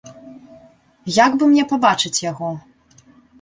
Як бы мне пабачыць яго?